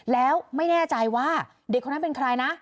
แล้วไม่แน่ใจว่าเด็กคนนั้นเป็นใครนะ